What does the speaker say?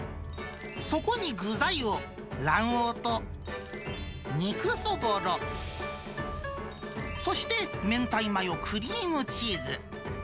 そこに具材を、卵黄と肉そぼろ、そして明太マヨクリームチーズ。